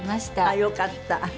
あっよかった。